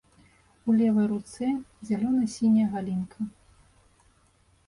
У левай руцэ зялёна-сіняя галінка.